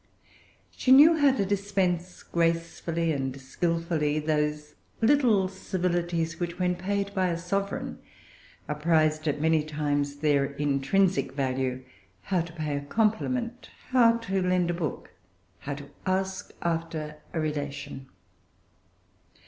She knew how to dispense, gracefully and skilfully, those little civilities which, when paid by a sovereign, are prized at many times their intrinsic value; how to pay a compliment; how to lend a book; how to ask after a relation.